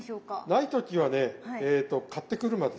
ない時はね買ってくるまで作らない。